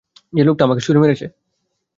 যে লোকটা আমাকে ছুরি মেরেছে।